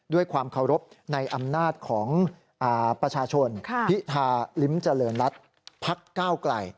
ด้วยความเคารพในอำนาจของประชาชนพิธาลิ้มเจริญรัฐพักก้าวไกล